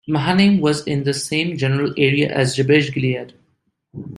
Mahanaim was in the same general area as Jabesh-gilead.